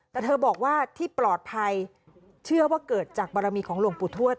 แต่เธอบอกว่าที่ปลอดภัยเชื่อว่าเกิดจากบารมีของหลวงปู่ทวช